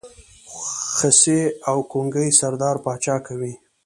خصي او ګونګی سردار پاچا کوي.